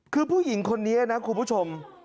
คือผู้หญิงคนนี้นะคุณผู้ชม